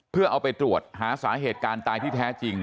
เพื่อเอาไปตรวจหาสาเหตุการณ์ตายที่แท้จริง